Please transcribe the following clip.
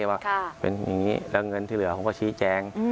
ว่าเป็นอย่างนี้แล้วเงินที่เหลือผมก็ชี้แจง